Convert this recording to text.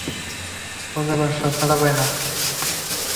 ফলে বাদশাহ ছাড়া পায়।